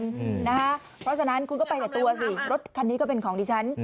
เพราะฉะนั้นคุณก็ไปแต่ตัวสิรถคันนี้ก็เป็นของดิฉัน